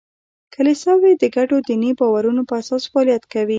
کلیساوې د ګډو دیني باورونو په اساس فعالیت کوي.